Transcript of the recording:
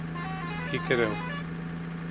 Һикереү